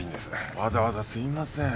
わざわざすみません。